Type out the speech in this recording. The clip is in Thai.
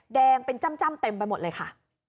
แดงเป็นจ้ำเต็มไปหมดเลยค่ะ